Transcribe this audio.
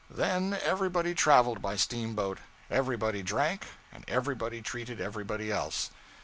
Then everybody traveled by steamboat, everybody drank, and everybody treated everybody else.